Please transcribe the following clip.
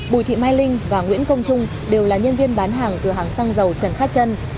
bùi thị mai linh và nguyễn công trung đều là nhân viên bán hàng cửa hàng xăng dầu trần khát trân